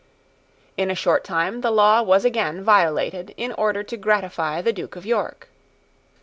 In a short time the law was again violated in order to gratify the Duke of York.